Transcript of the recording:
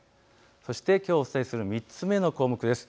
そしてきょうお伝えする３つ目のポイントです。